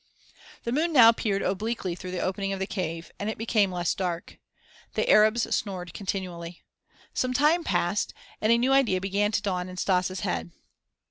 The moon now peered obliquely through the opening of the cave and it became less dark. The Arabs snored continually. Some time passed and a new idea began to dawn in Stas' head.